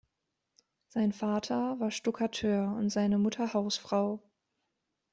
Sein Vater war Stuckateur und seine Mutter Hausfrau.